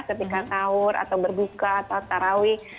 ketika sahur atau berbuka atau tarawih